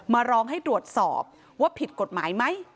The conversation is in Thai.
ร้องให้ตรวจสอบว่าผิดกฎหมายไหม